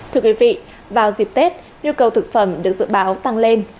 thưa quý vị vào dịp tết nhu cầu thực phẩm được dự báo tăng lên